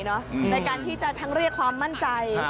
ในการที่จะทั้งเรียกความมั่นใจ